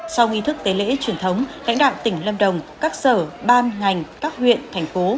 sau nghi thức tế lễ truyền thống lãnh đạo tỉnh lâm đồng các sở ban ngành các huyện thành phố